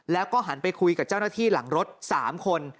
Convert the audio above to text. แล้วก็หันไปคุยกับเจ้าหน้าที่หลังรถ๓คน